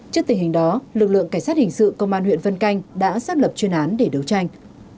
trước tình hình đó lực lượng cảnh sát hình sự công an huyện vân canh đã xác lập chuyên án để đấu tranh